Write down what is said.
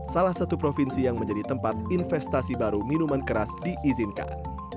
salah satu provinsi yang menjadi tempat investasi baru minuman keras diizinkan